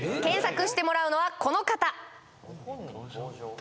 検索してもらうのはこの方ご本人登場？